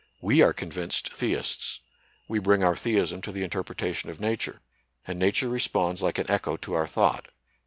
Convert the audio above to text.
We are convinced theists. We bring our theism to the interpre tation of Nature, and Nature responds like an echo to our thought.